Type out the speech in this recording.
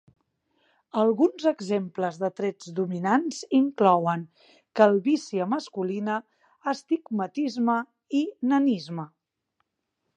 Alguns exemples de trets dominants inclouen: calvície masculina, astigmatisme i nanisme.